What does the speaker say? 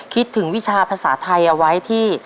คิดถึงวิชาภาษาไทยเอาไว้ที่